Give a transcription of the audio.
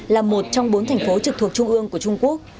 là một trong bốn thành phố trực thuộc trung ương của trung quốc